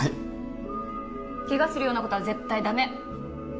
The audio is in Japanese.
怪我するような事は絶対駄目！